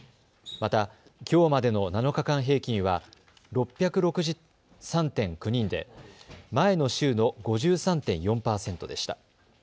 また、きょうまでの７日間平均は６６３．９人で前の週の５３．４％でした。